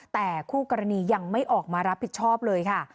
แต่คู่กรณียังไม่ออกมารับผิดชอบเลยค่ะ